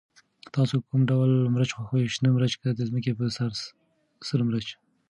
تاسو کوم ډول مرچ خوښوئ، شنه مرچ که د ځمکې په سر سره مرچ؟